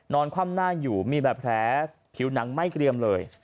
คว่ำหน้าอยู่มีแบบแผลผิวหนังไม่เกรียมเลย